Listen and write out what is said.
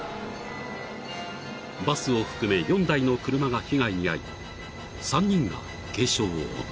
［バスを含め４台の車が被害に遭い３人が軽傷を負った］